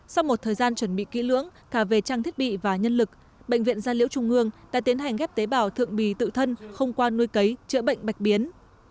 sau một thời gian chuẩn bị kỹ lưỡng cả về trang thiết bị và nhân lực bệnh viện gia liễu trung ương đã tiến hành ghép tế bào thượng bì tự thân không qua nuôi cấy chữa bệnh bạch biến